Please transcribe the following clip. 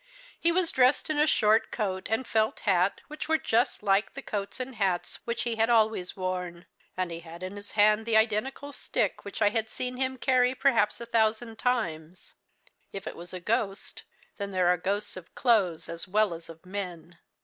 He was dressed in a short coat and felt hat, which were just like the coat and hats which he always had worn; and he had in his hand the identical stick which I had seen him carry perhaps a thousand times. If it was a ghost, then there are ghosts of clothes as well as of men.